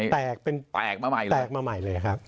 แตกมาใหม่เลยครับ